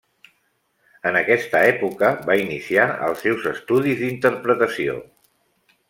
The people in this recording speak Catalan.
En aquesta època va iniciar els seus estudis d'interpretació.